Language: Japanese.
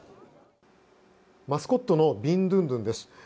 マスコットのビンドゥンドゥンです。